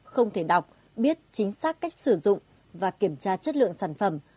không thể đọc biết chính xác cách sử dụng và kiểm tra chất lượng sản phẩm